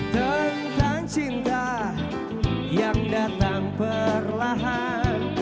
tentang cinta yang datang perlahan